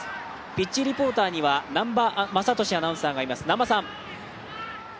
ピッチリポーターには南波雅俊アナウンサーがいます。